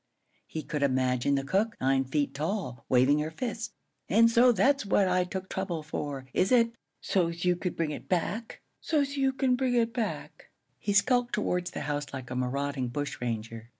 He could imagine the cook, nine feet tall, waving her fist. "An' so that's what I took trouble for, is it? So's you could bring it back? So's you could bring it back?" He skulked towards the house like a marauding bushranger.